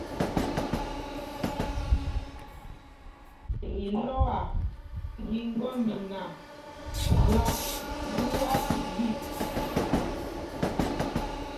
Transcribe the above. Ilɔ́a í ŋgɔ́mina jüak ɓuá ɓîk.